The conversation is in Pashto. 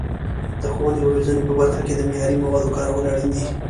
د ښوونې او روزنې په برخه کې د معیاري موادو کارول اړین دي.